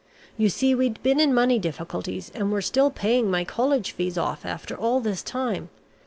You see we'd been in money difficulties and were still paying my college fees off after all this time.